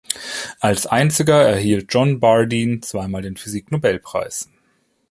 Als einziger erhielt John Bardeen zweimal den Physiknobelpreis.